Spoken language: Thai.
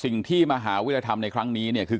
สิ่งที่มหาวิทยาธรรมนี้คือ